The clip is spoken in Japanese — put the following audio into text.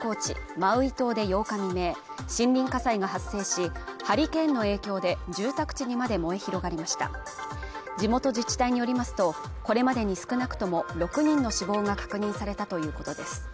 マウイ島で８日未明森林火災が発生しハリケーンの影響で住宅地にまで燃え広がりました地元自治体によりますとこれまでに少なくとも６人の死亡が確認されたということです